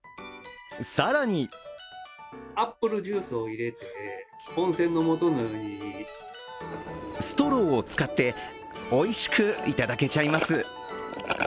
更にストローを使っておいしくいただけちゃいます。